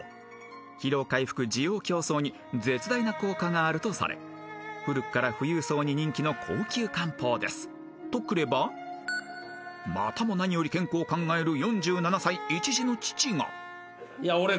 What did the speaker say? ［疲労回復滋養強壮に絶大な効果があるとされ古くから富裕層に人気の高級漢方ですとくればまたも何より健康を考える４７歳１児の父が］